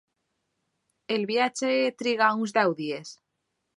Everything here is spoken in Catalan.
El viatge triga uns deu dies.